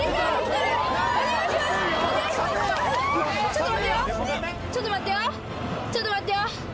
ちょっと待ってよ。